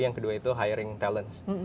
yang kedua itu hiring talent